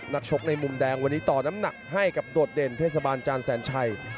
ชกในมุมแดงวันนี้ต่อน้ำหนักให้กับโดดเด่นเทศบาลจานแสนชัย